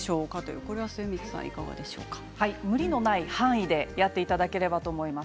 無理のない範囲でやっていただければと思います。